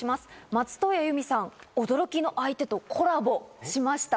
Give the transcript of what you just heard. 松任谷由実さん、驚きの相手とコラボしました。